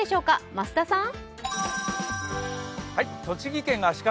増田さん！